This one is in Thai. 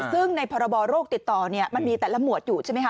ซึ่งในพรบโรคติดต่อมันมีแต่ละหมวดอยู่ใช่ไหมค